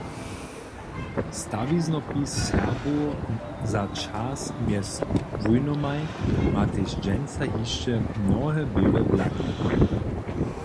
Stawiznopis Serbow za čas mjez wójnomaj ma tež dźensa hišće mnohe běłe blaki.